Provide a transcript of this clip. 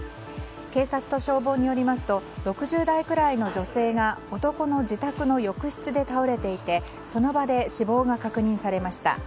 警察と消防によりますと６０代くらいの女性が男の自宅の浴室で倒れていてその場で死亡が確認されました。